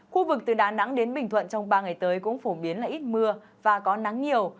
khu vực từ đà nẵng đến bình thuận trong ba ngày tới cũng phổ biến là ít mưa và có nắng nhiều